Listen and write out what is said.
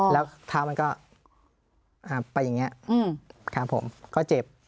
แล้วเท้ามันก็ไปอย่างนี้ครับผมก็เจ็บ